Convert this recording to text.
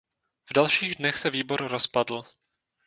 V dalších dnech se výbor rozpadl.